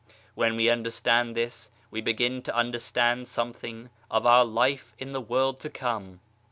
When we understand this, we begin to understand something of our life in the world to come.